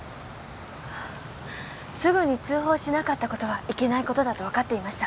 すぐに通報しなかった事はいけない事だとわかっていました。